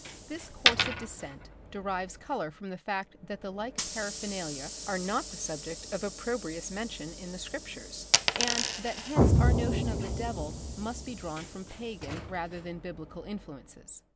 This course of descent derives colour from the fact that the like paraphernalia are not the subject of opprobrious mention in the Scriptures, and that hence our notion of the devil must be drawn from pagan rather than biblical influences.